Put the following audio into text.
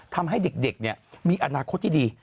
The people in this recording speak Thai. ทำให้เด็กมีอนาคตที่ดี